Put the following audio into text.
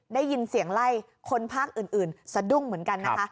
ได้ยินเสียงไล่คนภาคอื่นสะดุ้งเหมือนกันนะคะ